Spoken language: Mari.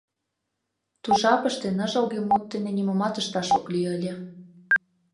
Ту жапыште ныжылге мут дене нимомат ышташ ок лий ыле.